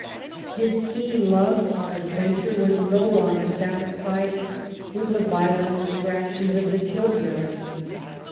His keen love of adventure was no longer satisfied with the violent distractions of the tilt yard.